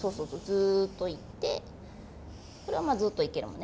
ずっといってこれはずっといけるもんね。